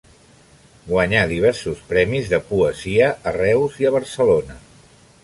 Guanyà diversos premis de poesia a Reus i a Barcelona.